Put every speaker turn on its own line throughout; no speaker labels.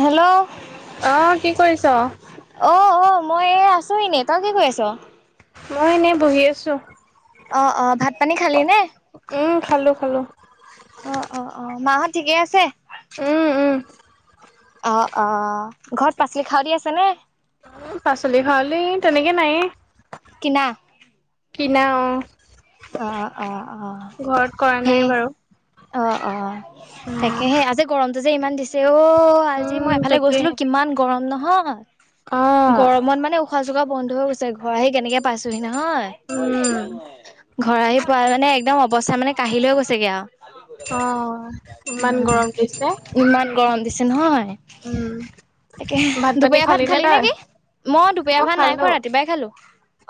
Hello
অ', কি কৰিছ?
অ অ মই আছো এনে তই কি কৰি আছ।
মই এনেই বহি আছো
অ অ ভাত পানী খালি নে।
উম, খালো খালো।
অ অ অ মাহত ঠিকে আছে
উম, উম,
অ অ ঘৰত পাচলি খাৱ দি আছে নে।
পাচলি খাউলি তেনেকে নাইয়ে।
কিনা।
কিনা অ
অ অ অ
ঘৰত কৰা নাই
সেই
বাৰু।
অ অ তাকে সেই আজি গৰমটো যে ইমান দিছে অ আজি
উম,
মই এফালে
তাকে
গৈছিলো কিমান গৰম নহয়
অ',
গৰমত মানে উশা উশাহ-চোখা বন্ধ হৈ গৈছে ঘৰ আহি কেনেকে পাইছোহি নহয়।
উম,
ঘৰ আহি পোৱ মানে একদম অৱস্থা মানে কাঢি লৈ গৈছেগে আও। উ
অ'। ইমান গৰম দিছে।
ইমান গৰম দিছে নহয়।
উম,
তাকে
ভাত পানী
দুপৰীয়া ভাত
নে
খালি
তই?
নেকি মই দুপৰীয়া ভাত নাই খোৱা ৰাতিপুৱাই খালো।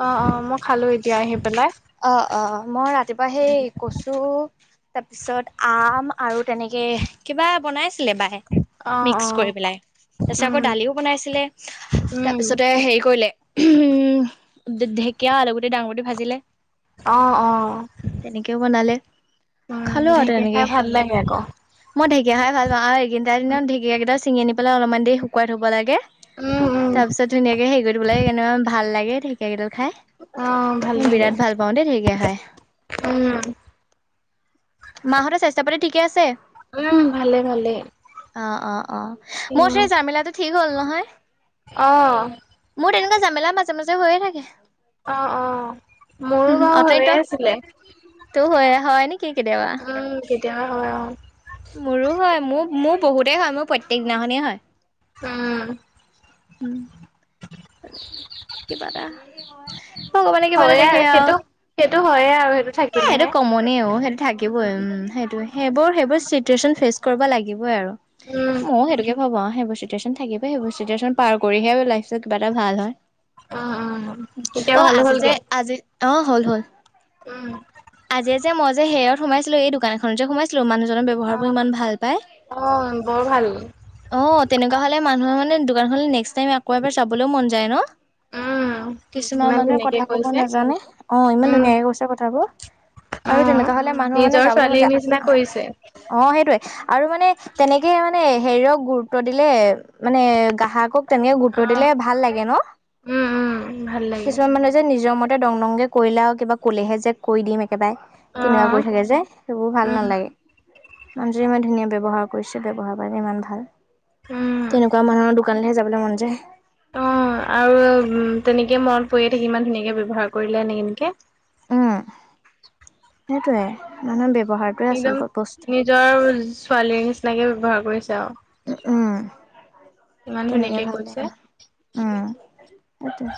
অ অ মই খালো এতিয়া আহি পেলাই।
অ অ মই ৰাতিপুৱা সেই কচু তাৰপিছত আম আৰু তেনেকে কিবা বনাইছিলে বাই।
অ',
মিক্স
অ',
কৰি পেলাই তাৰপিছত
উম,
আকৌ দালিও বনাইছিলে
উম,
তাৰপিছতে হেৰি কৰিলে উম ঢেকীয়া আলু গুটি ডাঙবদি ভাজিলে।
অ', অ',
তেনেকেও বনালে।
উম,
খালো আৰু
ঢেঁকীয়া খাই
তেনেকে
ভাল লাগে আকৌ।
মই ঢেকীয়া খাই ভাল পাও আৰু এইকেদিনত ঢেকীয়াকেইডাল চিঙি আনি পেলাই অলপমান দেৰি শুকুৱাই থ'ব লাগে,
উম, উম,
তাৰপিছত ধুনীয়াকে হেৰি কৰি দিব লাগে কেনেকোৱা ভাল লাগে। ঢেকীয়াকেইদাল
অ ভাল লাগে।
ব [inaudible] ওঁ দে থঠকে খাই
উম।
মাহঁতে স্বাস্থ্য পাতি ঠিকে আছে?
উম, ভালে ভালে।
অ অ অ মোৰ
উম,
সেই জামিলাটো ঠিক হ'ল নহয়।
অ',
মোৰ তেনেকোৱা জামেলা মাজে মাজে হৈয়ে থাকে।
অ', অ'। মোৰো বা
অথনি
হৈয়েই
তই
আছিলে
তো হয় হয় নেকি কেতিয়াবা
উম তেতিয়াহে হয় অ
মোৰো হয় মোৰ মোৰ বহুতেই হয় মোৰ প্ৰত্যেক দিনাখনেই হয়।
উম
উম কিবা এটা ভগৱানে কিবা এটা
হয়ে
দেখে
আৰু
আও
সেইটো সেইটো হয়ে আৰু সেইটো
এ সেইটো
থাকিলেহে।
কমনে অ সেইটো থাকিবই উম সেইটোয়ে। সেইবোৰ সেইবোৰ চিটুৱেচন ফেচ কৰিব লাগিবই আৰু
উম,
মইয়ো সেইটোকে ভাবো অআও সেইবুলি। চিটুৱেচন থাকিব সেইবোৰ চিটুৱেচন পাৰ কৰিহে লাইফটো কিবা এটা ভাল হয়।
উম, উম। এতিয়া
অ
ভালো
আজি যে
হ'লগে।
আজি অ হ'ল হ'ল।
উম!
আজি যে মই যে হেয়ৰত সোমাইছিলো এই দোকান এখনত যে সোমাইছিলো মানুহ ব্যৱহাবোৰ
অ',
ইমান ভাল পায়
অ', বৰ ভাল।
অ তেনেকোৱা হ'লে মানুহ মানে দোকানখনলৈ নেক্সট টাইম আকৌ এবাৰ যাবলৈও মন যায় ন
উম,
কিছুমান
ইমান
মানুহে
ধুনীয়াকে
কথা কব
কৰিছে।
নাজানে অ ইমান
উম,
ধুনীয়াকে কৈছে কথাবোৰ আৰু
অ'।
তেনেকোৱা হলে মানুহৰ মানে
নিজৰ
যাবলৈ মন
ছোৱালীৰ
যায়
নিচিনা কৰিছে।
অ সেইটোয়ে আৰু মানে তেনেকে মানে হেৰিয়ক গুৰুত্ব দিলে মানে গ্ৰাহকক তেনেকে গুৰুত্ব দিলে
অ',
ভাল লাগে ন
উম, উম, ভাল লাগে।
।কিছুমান মানুহ যে নিজৰ মত টা দং ডংগে কৰিলে আৰু কিবা ক'লেহে যে কৰি দিম। একেবাৰে, তেনেকুৱা
অ',
কৈ থাকে যে সেইবোৰ ভাল
উম,
নালাগে। মানুহ যে ইমান ধুনীয়া ব্যৱহাৰ কৰিছে ব্যৱহাৰ পাতি ইমান ভাল
উম।
।তেনেকুৱা মানুহৰ দোকানলৈহে যাব যাবলে মন যায়।
অ আৰু তেনেকে মনত পৰিয়ে থাকি ইমান ধুনীয়াকে ব্যৱহাৰ কৰিলে এনে এনেকে।
উম, সেইটোয়ে মানুহে বে
একদম নিজৰ ছোৱালীৰ নিচিনাকে ব্যৱহাৰ কৰিছে। আৰু।
উম,
ইমান
তেনেকে
ধুনীয়াকে
ভাল
কৈছে,
লাগে উম। সেইটোৱেই,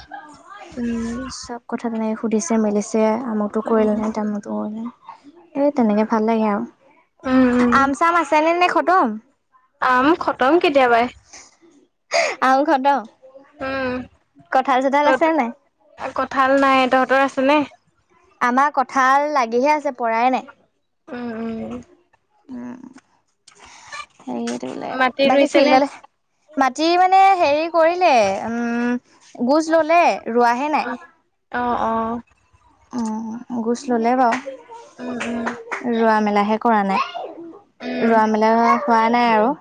উম,
চব কথা তেনেকে সুধিছে মেলিছে যে আমুকটো
উম,
কৰিলেনে, তামুকটো কৰিলেনে, এই তেনেকে ভাল লাগে আৰু।
উম, উম।
আম চাম আছে নে নে খটম?
আম খতম কেতিয়াবাই।
আম খটম।
উম,
নাই?
তহত কঠাল নাই, তহঁতৰ আছে নে?
আমাৰ কঁঠাল লাগিহে আছে পৰাই
উম,
নাই।
উম,
উম, সেই দিলে
মাটি
বাকী
ৰুইছে নে?
ফিল্ডলে মাটি মানে হেৰি কৰিলে উম গুছ ললে ৰোৱাহে নাই?
অ', অ।
উম গোছ ললে বাৰু,
উম, উম,
ৰোৱা মেলাহে কৰা নাই।
উম,
ৰোৱা মেলা হোৱা নাই আৰু।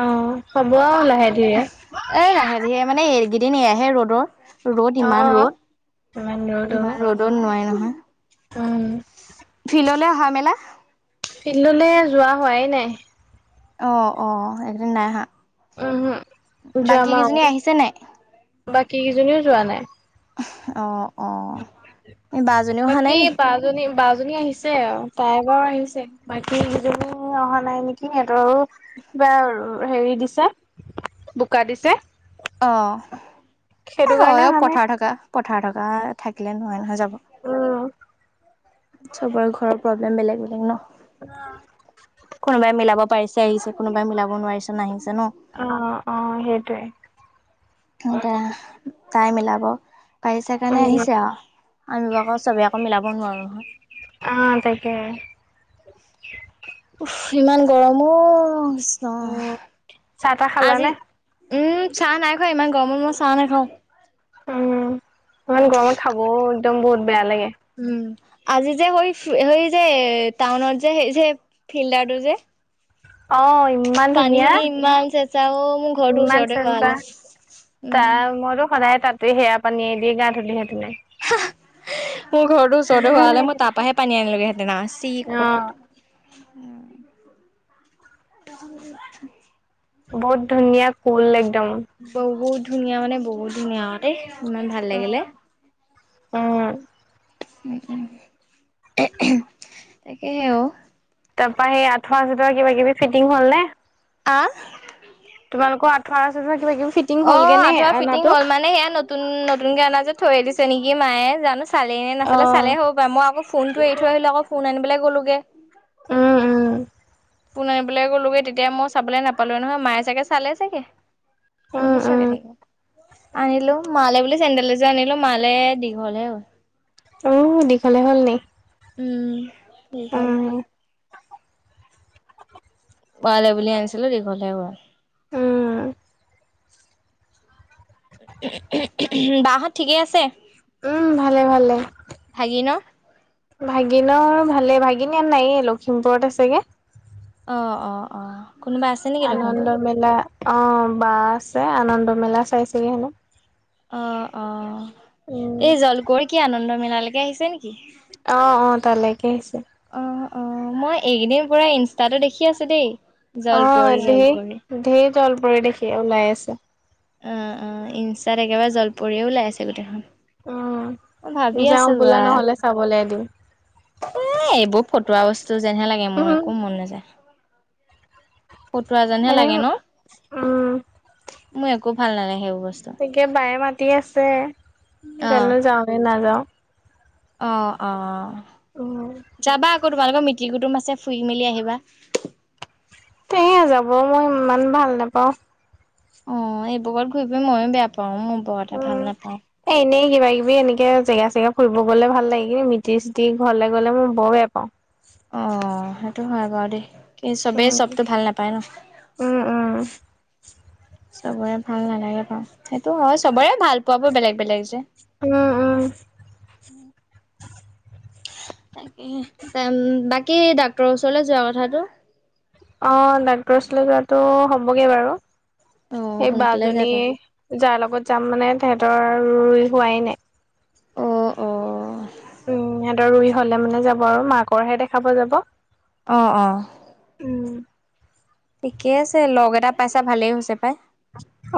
অ হ'ব আও লা
এ লাহে ধীৰে মানে এইকেইদিন এই আহে ৰ'দৰ ৰ'দ ইমান
অ',
ৰ'দ,
ইমান ৰ'দ
ইমান
অ',
ৰ'দত নোৱাৰে নহয়।
উম,
ফিললে অহা মেলা।
ফিল্ডলৈ যোৱা হোৱাই নাই।
অ অ এইকেইদিন নাইঅহা।
উমহু যাম আও
আহিছে নাই
বাকী কেইজনীও যোৱা নাই।
অ। এই বা জনীও অহা নাই
বাকী
নি
বা জনী বা জনী আহিছে আৰু তাই। ৰ আহিছে, বাকী কিজনী অহা নাই নেকি সিহঁতৰো কিবা হেৰি দিছে, বোকা দিছে।
অ, এ
সেইটো কাৰণে
হয় অ
অহা নাই
পথাৰ থকা পথাৰ থকা থাকিলে নোৱাৰে নহয় যা
উম।
চবৰে ঘৰৰ প্ৰব্লেম বেলেগ বেলেগ ন।
উম।
কোনোবাই মিলাব পাৰিছে আহিছে, কোনোবাই মিলাব নোৱাৰিছে নাহি
অ অ সেইটোৱে।
উম তা, তাই মিলাব পাৰিছে কাৰণে
উম
আহিছে আৰু। আমিবোৰ আকৌ চবে আকৌ মিলাব নোৱাৰো নহয়।
অ তাকে।
ইমান গৰম অ। অ,
উম চাহ তাহ
আজি
খালানে
উম চাহ নাই খোৱা ইমান গৰমত মই চাহ নেখাওঁ।
উম, ইমান গৰমত খাবও একদম বহুত বেয়া লাগে।
উম আজি যে হৈ ফি সেই যে টাউনত যে সেই যে ফিল্ডাৰটো যে
অ ইমান ধুনীয়া
পানীখিনি ইমান চেচ
ইমান চেচা, তা
উম
মইতো সদায়ে তাত ত সেয়া পানীয়ে এদিয়ে গা ধুলিহেতেনে।
হা হা মোৰ ঘৰটোৰ ওচৰতে হোৱা হলে মই
অ',
তাৰ পৰাহে পানী আনিলোগেহেঁতেন চি ক'ত। উম। [unintelligible]
বহুত ধুনীয়া কুল লাগি।
বহুত ধুনীয়া মানে বহুত ধুনীয়াতে। ইমান ভাল লাগিলে।
উম,
তাকেহেও।
তাৰ পৰা সেই আঠুৱা আঠুৱা কিবা কিবি ফিটিং হল নে।
আহ।
তেওঁলোকৰ আঠোৱা আছে যে।
অ আঠুৱা ফিটিং হল মানে সেয়া নতুন নতুনকে আনা যে থৈ দিছে নেকি মায়ে জানো। চালে নে নেচালে
অ',
চালে হবা মই আকৌ ফৌনটো এৰি থৈ আহিলো আকৌ ফোন আনিবলে গ'লোগে।
উম, উম,
ফোন আনিবলৈ গ'লোগে তেতিয়া মই চাবলৈ নাপালো নহয় মায়ে চাগে চালে চাগে। কত
উম, উম,
নোচোৱাকে থাকিব আনিলো। মালে বুলি চেণ্ডেল এযোৰ আনিলো মালে দীঘল হে হ'ল।
উ দীঘলে হ'ল নি।
উম দীঘল
উম,
হ'ল। মালে বুলি আনিছিলো দীঘল হে ওৱা।
উম,
বাহত ঠিকেই আছে।
উম, ভালে ভালে।
ভাগি ন।
ভাগিনৰ ভালে ভাগিন ইয়াত নাই লখিমপুৰত আছে গে।
অঁ অঁ অঁ।
আনন্দ মেলা অ বা আছে আনন্দ মেলা চাইছেগে হেনো।
অ অ
উম,
এই জলকোৱৰ কি আনন্দ মিলালৈকে আহিছে নেকি?
অহ অ তালৈকে আহিছে।
অ', অ মই এইকেইদিন পোৰা ইনষ্টাতো দেখি আছো দেই জলকোৱৰি জলকোৱৰি।
জল পৰি দেখি ওলাই আছে
অ অ ইনচাত একেবাৰে জলপৰিয়ে ওলাই আছে গোটেইখন অ ভাবি
যাওঁ
আছো
ব'লা
বা
নহ'লে চাবলৈ এদিন।
এ এইবোৰ ফ- তোৱা বস্তু যেনহে লাগে মোৰ একো মন নাযায়। ফতোৱা যেনহে
এনে
লাগে ন
উম,
মোৰ একো ভাল নালাগে সেইবোৰ। বস্তু
গতিকে বায়ে মাতি আছে
অ',
জানো যাওৱে নাযাও।
অ অ।
অ।
যাবা আকৌ তোমালোকৰ মিতিৰ কুটুম আছে ফুই মেলি আহিবা।
তেওঁ যাব মই ইমান ভাল নাপাওঁ।
অ এইবোৰত ঘূৰি ফুৰিব ময়ো বেয়া পাওঁ মোৰ বৰটা
উম।
ভাল নাপাওঁ।
জেঙা চেগা ফুৰিব গ'লে ভাল লাগে কিন্তু মিতি চিতি ঘৰলে গ'লে মই বৰ বেয়া পাওঁ।
অ সেইটো হয় বাৰু দেই কি চবেই
উম,
চবতটো ভাল নাপায় ন।
উম, উম,
চবৰে ভাল নালাগে ভওঁ সেইটো হয় চবৰে ভাল পোৱাবোৰ বেলেগ বেলেগ যে।
উম উম।
তাকে বাকী ডাক্তৰৰ ওচৰলৈ যোৱা কথাটো।
অ ডাক্তৰ উচলে যোৱাটো হবগে বাৰু।
অ
সেই বা
সোনকালে
জনী
যাবা
যাৰ লগত যাম মানে থেট। তৰ ৰুই হোৱাই নাই।
অ অ।
উম সিহঁতৰ ৰুই হলে মানে যাব আৰু মাকৰ হে দেখাব যাব।
অহ অহ
উম
ঠিকে আছে লগ এটা পাইছা ভালেই হৈছে। পাই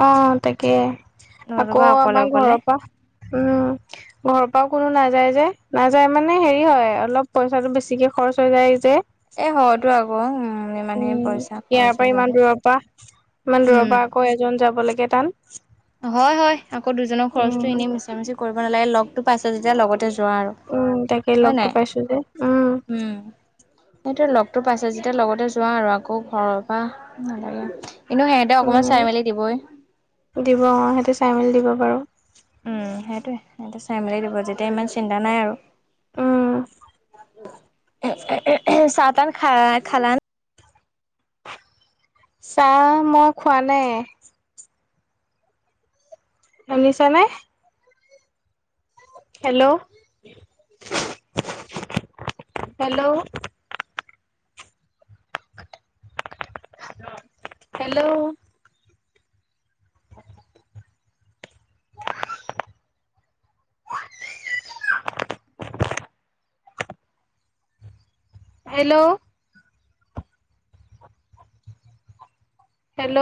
অ তাকে। আকৌ
নতুবা অকলে
আমাৰ
অকলে
ঘৰৰ পৰা উম ঘৰৰ পৰা কোনো নাযায় যে নাযায় মানে হেৰি হয় অলপ পইচাটো বেছিকে খৰচ হৈ যায় যে।
এ হয়তো আকৌ উম ইমানখিনি
উম
পইচা
ইয়াৰ
খৰচ
পৰা
হৈ
ইমান
যাব
দূৰৰ পৰা ইমান দূৰৰ পৰা
উম
আকৌ এজন জাব লাগে টান।
হয় হয় আকৌ দুজনৰ
উম,
খৰচটো এনেই মিছা মিছি কৰিব নালাগে, লগতো পাইছ যেতিয়া লগতে যোৱা আৰু,
উম, তাকে
হয়
লগটো
নাই?
পাইছো যে
উম। সটো লগতো পাইছে যেতিয়া লগতে যোৱা আৰু আকৌ ঘৰৰ পৰা নালাগে আও, এনেও সিহঁতক অকমান
উম।
চাই মেলি দিবই।
দিব অ সেইটো চাই মেলি দিব পাৰো।
উম সেইটোৱে চাই মেলি দিব যেতিয়া ইমান চিন্তা নাই আৰু।
উম।
চা তা খা খালান
চাহ মই খোৱা নাই। শুনিছানে? Hello hello hello hello hello